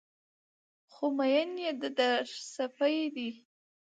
خو مين يې د در سپى دى